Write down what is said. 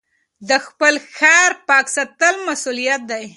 د خپل ښار پاک ساتل مسؤلیت دی.